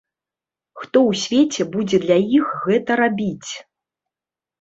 Хто ў свеце будзе для іх гэта рабіць?